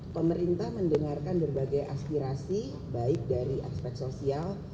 pemerintah mendengarkan berbagai aspirasi baik dari aspek sosial